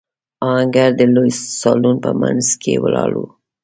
آهنګر د لوی سالون په مينځ کې ولاړ و.